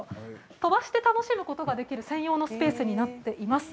飛ばして楽しむことができる専用のスペースになっています。